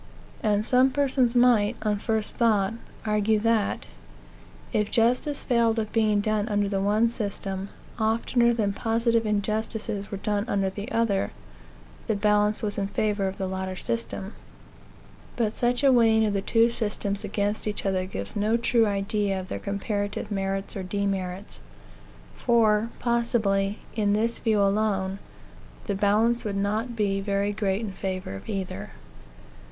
And some persons might, on first thought, argue that, if justice failed of being done under the one system, oftener than positive injustice were done under the other, the balance was in favor of the latter system. But such a weighing of the two systems against each other gives no true idea of their comparative merits or demerits; for, possibly, in this view alone, the balance would not be very great in favor of either.